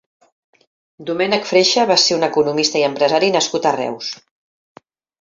Domènec Freixa va ser un economista i empresari nascut a Reus.